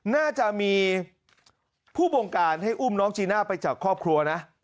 น่าจะมีผู้บงการให้อุ้มน้องจีน่าไปจากครอบครัวนะ